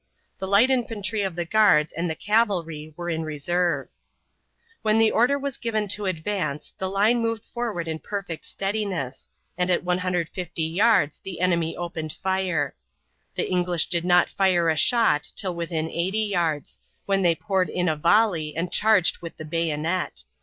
The light infantry of the guards and the cavalry were in reserve. When the order was given to advance the line moved forward in perfect steadiness, and at 150 yards the enemy opened fire. The English did not fire a shot till within 80 yards, when they poured in a volley and charged with the bayonet.